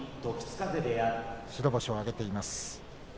白星を挙げています。